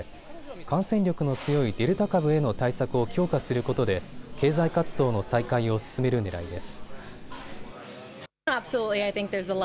感染力の強いデルタ株への対策を強化することで経済活動の再開を進めるねらいです。